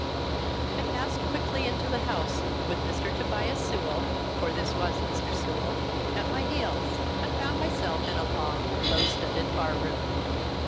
I passed quickly into the house, with Mr. Tobias Sewell (for this was Mr. Sewell) at my heels, and found myself in a long, low studded bar room.